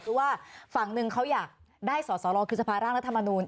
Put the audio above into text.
คือว่าฝั่งหนึ่งเขาอยากได้สอสรคือสภาระรัฐธรรมนุน